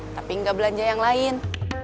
tapi nggak belanja yang lain